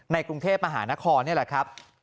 กรุงเทพมหานครนี่แหละครับ